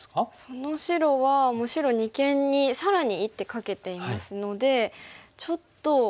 その白はもう白二間に更に一手かけていますのでちょっと強いですよね。